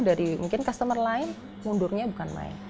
dari mungkin customer lain mundurnya bukan main